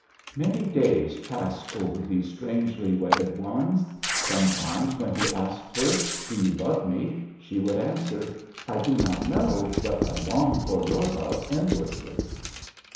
Many days passed over these strangely wedded ones. Some times when he asked her, " Do you love me ?" she would answer, "I do not know, but I long for your love endlessly."